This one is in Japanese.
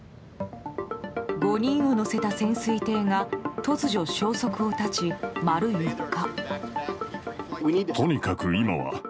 ５人を乗せた潜水艇が突如消息を絶ち、丸４日。